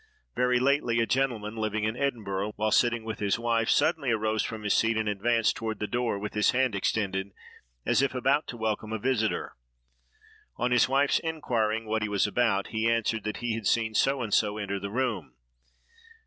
Very lately, a gentleman living in Edinburgh, while sitting with his wife, suddenly arose from his seat and advanced toward the door with his hand extended, as if about to welcome a visiter. On his wife's inquiring what he was about, he answered that he had seen so and so enter the room.